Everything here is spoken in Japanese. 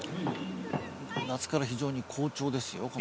夏から、非常に好調ですよ